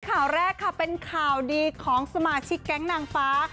ข่าวแรกค่ะเป็นข่าวดีของสมาชิกแก๊งนางฟ้า